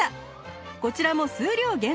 こちらも数量限定です